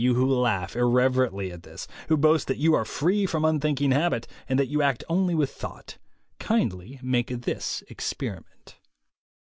You who laugh irreverently at this, who boast that you are free from unthinking habit, and that you act only with thought, kindly make this experi ment.